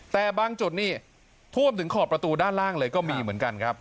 แต่บางจุดนี่ท่วมถึงขอบประตูด้านล่างเลยก็มีเหมือนกันครับ